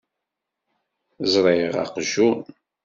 Ẓṛiɣ aqjun.